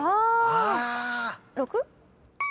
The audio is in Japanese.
６？